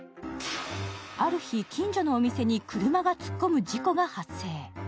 ある日、近所のお店に車が突っ込む事故が発生。